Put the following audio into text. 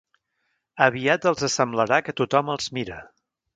Aviat els semblarà que tothom els mira.